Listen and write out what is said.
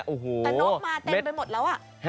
แต่นกมาเต็มไปหมดแล้วอะ